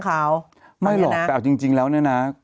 ห้างไหนอ่ะ